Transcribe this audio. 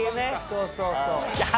そうそうそう。